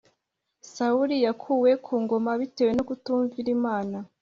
sawuli yakuwe ku ngoma bitewe no kutumvira imana